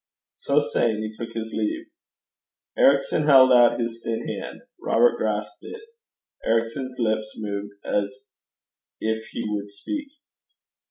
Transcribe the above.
So saying he took his leave. Ericson held out his thin hand. Robert grasped it. Ericson's lips moved as if he would speak.